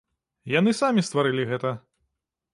Яны самі стварылі гэта.